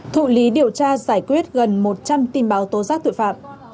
thụ lý điều tra giải quyết gần một trăm linh tin báo tố giác tội phạm